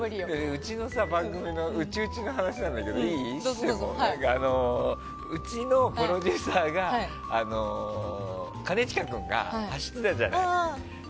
うちの番組の内々の話なんだけどさうちのプロデューサーが兼近君が走ってたじゃない。